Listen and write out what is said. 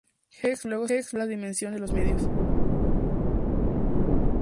Gex luego se va a la dimensión de los medios.